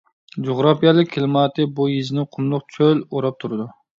جۇغراپىيەلىك كىلىماتى بۇ يېزىنى قۇملۇق چۆل ئوراپ تۇرىدۇ.